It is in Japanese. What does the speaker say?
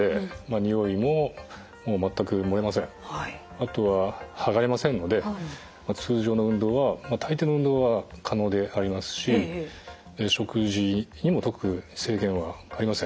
あとは剥がれませんので通常の運動はたいていの運動は可能でありますし食事にも特に制限はありません。